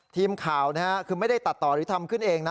ทีมข่าวคือไม่ได้ตัดต่อหรือทำขึ้นเองนะ